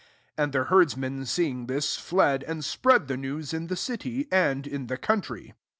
34 And the herdsmen see^ ing this, fled, and spread the news in the city, and in the country.